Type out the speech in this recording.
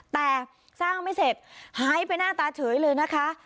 แต่สร้างไม่เสร็จหายไปหน้าตาเฉยเลยนะคะ